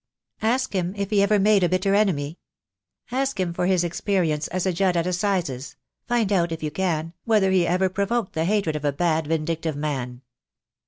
"Ask him if he ever made a bitter enemy. Ask him for his experience as a Judge at Assizes — find out, if you can, whether he ever provoked the hatred of a bad vindictive man."